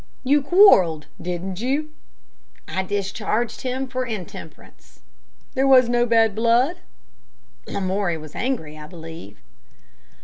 "You quarreled, didn't you?" "I discharged him for intemperance." "There was no bad blood?" "Lamoury was angry, I believe."